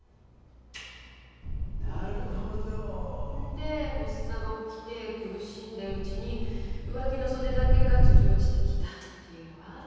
で発作が起きて苦しんでるうちに上着の袖だけがずり落ちてきたっていうのは？